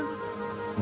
ya udah ketahuan